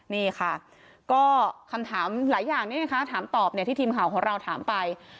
นี่ค่ะก็คำถามหลายอย่างนี้นะคะถามตอบที่ทีมข่าวของเราถามไป